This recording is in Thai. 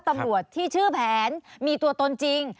ตำรวจที่ชื่อแผนมีตัวตนจริง